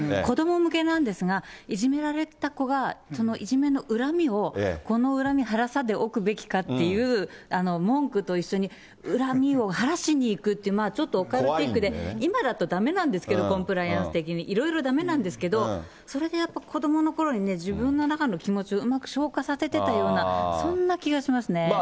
子ども向けなんですが、いじめられてた子が、そのいじめの恨みを、この恨みはらさでおくべきかという文句と一緒に、恨みを晴らしに行くっていう、ちょっとオカルティックで、今だとだめなんですけど、コンプライアンス的に、いろいろだめなんですけど、それでやっぱり子どものころにね、自分の中の気持ちをうまく消化させてたような、そんな気がしますね。